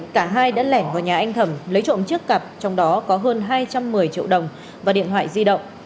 cả hai đã lẻn vào nhà anh thẩm lấy trộm chiếc cặp trong đó có hơn hai trăm một mươi triệu đồng và điện thoại di động